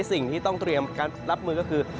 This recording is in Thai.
สิ่งที่ต้องเตรียมรับมือก็คือ